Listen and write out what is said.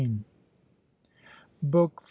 BOOK V.